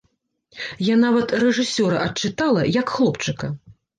Я нават рэжысёра адчытала, як хлопчыка.